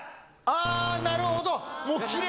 ああ、なるほど。